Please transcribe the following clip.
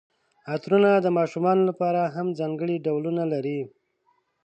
عطرونه د ماشومانو لپاره هم ځانګړي ډولونه لري.